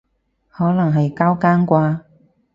可能係交更啩